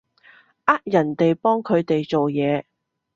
呃人哋幫佢哋做嘢